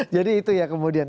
jadi itu ya kemudian